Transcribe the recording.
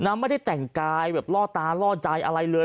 ไม่ได้แต่งกายแบบล่อตาล่อใจอะไรเลย